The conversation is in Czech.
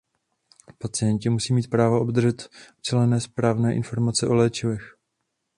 Pacienti musí mít právo obdržet ucelené, správné informace o léčivech.